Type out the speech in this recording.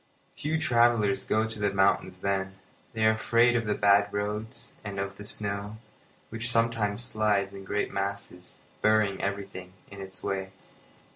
Few travellers go to the mountains then. They are afraid of the bad roads, and of the snow, which sometimes slides in great masses, burying everything in its way.